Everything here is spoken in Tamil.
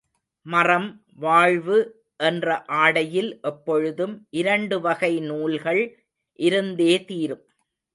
மறம் வாழ்வு என்ற ஆடையில் எப்பொழுதும் இரண்டு வகை நூல்கள் இருந்தே தீரும்.